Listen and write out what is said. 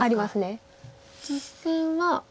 実戦は。